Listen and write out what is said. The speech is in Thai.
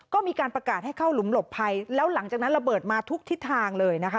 ก็มีการประกาศให้เข้าหลุมหลบภัยแล้วหลังจากนั้นระเบิดมาทุกทิศทางเลยนะคะ